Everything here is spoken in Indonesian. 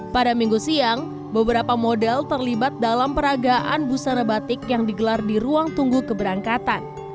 pada minggu siang beberapa model terlibat dalam peragaan busana batik yang digelar di ruang tunggu keberangkatan